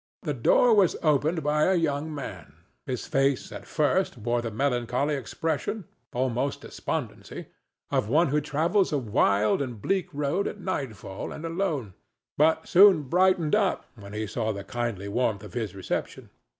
The door was opened by a young man. His face at first wore the melancholy expression, almost despondency, of one who travels a wild and bleak road at nightfall and alone, but soon brightened up when he saw the kindly warmth of his reception.